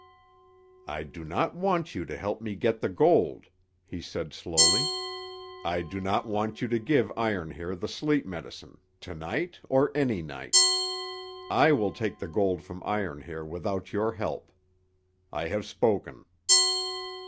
"I do not want you to help me get the gold," he said slowly. "I do not want you to give Iron Hair the sleep medicine, to night, or any night. I will take the gold from Iron Hair without your help. I have spoken."